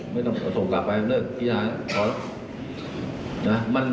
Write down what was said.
ไม่ต้องส่งกลับไปเลิกพินาศนะพอแล้ว